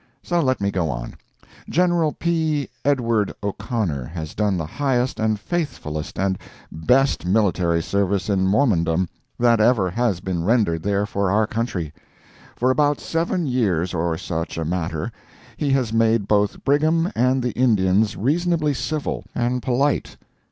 So let me go on. General P. Edward O'Connor has done the highest and faithfullest and best military service in Mormondom, that ever has been rendered there for our country. For about seven years or such a matter he has made both Brigham and the Indians reasonably civil and polite.